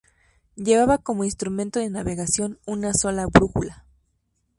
Llevaba como instrumento de navegación una sola brújula.